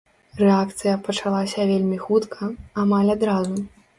Рэакцыя пачалася вельмі хутка, амаль адразу.